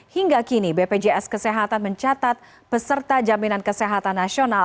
hingga kini bpjs kesehatan mencatat peserta jaminan kesehatan nasional